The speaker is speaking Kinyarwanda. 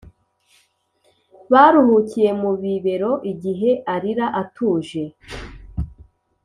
baruhukiye mu bibero igihe arira atuje.